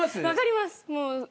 分かります。